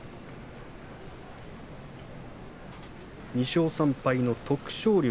２勝３敗の徳勝龍。